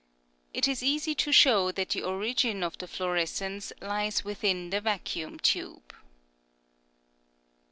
It is easy to show that the origin of the fluorescence lies within the vacuum tube.